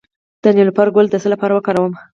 د نیلوفر ګل د څه لپاره وکاروم؟